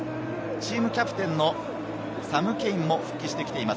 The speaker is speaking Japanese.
チームキャプテンのサム・ケインも復帰してきています。